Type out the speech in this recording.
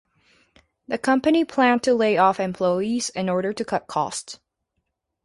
The company planned to lay off employees in order to cut costs.